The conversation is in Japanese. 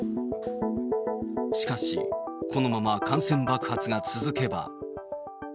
しかし、このまま感染爆発が続けば。